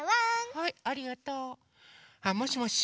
はいありがとう。もしもし？